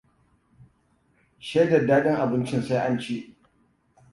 Shaidar daɗin abincin sai an ci.